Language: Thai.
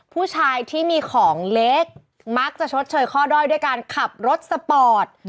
ผู้ชายที่มีของเล็กมักจะชดเชยข้อด้อยด้วยการขับรถสปอร์ต